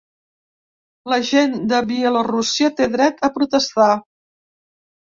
La gent de Bielorússia té dret a protestar.